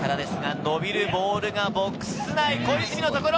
延びるボールがボックス内、小泉のところ。